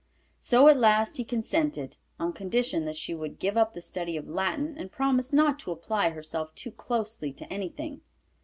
So at last he consented, on condition that she would give up the study of Latin, and promise not to apply herself too closely to anything.